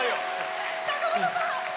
坂本さん。